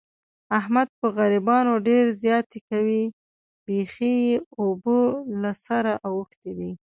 احمد په غریبانو ډېر زیاتی کوي. بیخي یې اوبه له سره اوښتې دي.